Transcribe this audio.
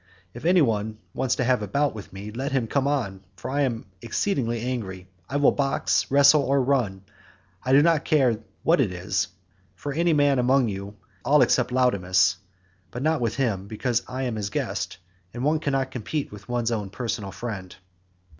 If anyone wants to have a bout with me let him come on, for I am exceedingly angry; I will box, wrestle, or run, I do not care what it is, with any man of you all except Laodamas, but not with him because I am his guest, and one cannot compete with one's own personal friend.